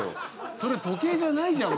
それ時計じゃないじゃん